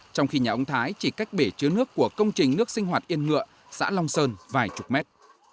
trong khi nhà ông thái chỉ cách bể chứa nước của công trình nước sinh hoạt yên ngựa xã long sơn vài chục mét